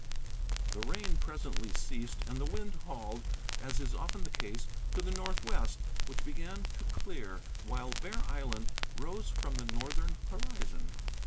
The rain presently ceased, and the wind hauled, as is often the case, to the northwest, which began to clear, while Bear Island rose from the northern horizon.